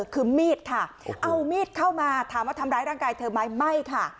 คือมีดค่ะเอามีดเข้ามาถามว่าทำร้ายร่างกายเธอไหมไม่ค่ะ